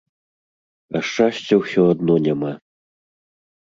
А шчасця ўсё адно няма.